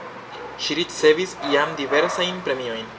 Ŝi ricevis jam diversajn premiojn.